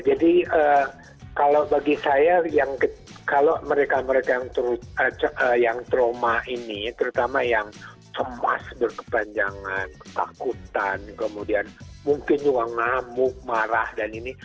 jadi kalau bagi saya yang kalau mereka mereka yang trauma ini terutama yang cemas berkepanjangan takutan kemudian mungkin juga ngamuk marah dan ini